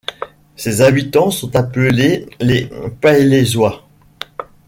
Ses habitants sont appelés les Pailhésois.